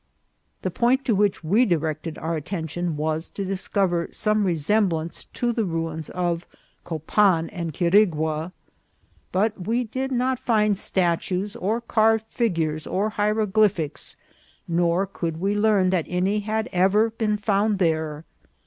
The point to which we directed our attention was to discover some resemblance to the ruins of Copan and Quirigua ; but we did not find statues, or carved figures, or hieroglyphics, nor could we learn that any had ever been found there.